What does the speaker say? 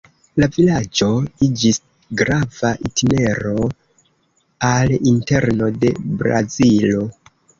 La vilaĝo iĝis grava itinero al interno de Brazilo.